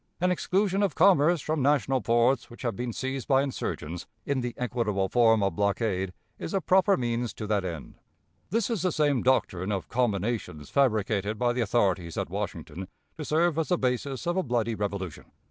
An exclusion of commerce from national ports which have been seized by insurgents, in the equitable form of blockade, is a proper means to that end." This is the same doctrine of "combinations" fabricated by the authorities at Washington to serve as the basis of a bloody revolution.